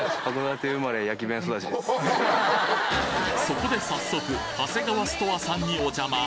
そこで早速ハセガワストアさんにお邪魔。